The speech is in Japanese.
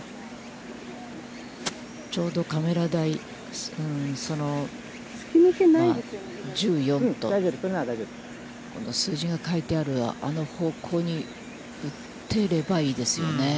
ちょうどカメラ台、その１４と、数字が書いてある、あの方向に打てればいいですよね。